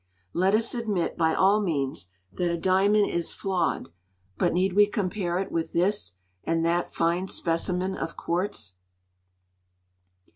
Let us admit, by all means, that a diamond is flawed; but need we compare it with this and that fine specimen of quartz?